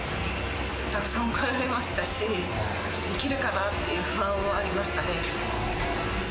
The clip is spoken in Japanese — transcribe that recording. たくさん怒られましたし、できるかなっていう不安はありましたね。